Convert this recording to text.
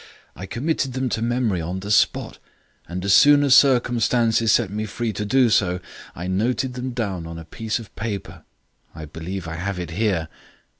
I committed them to memory on the spot, and as soon as circumstances set me free to do so, I noted them down on a piece of paper. I believe I have it here."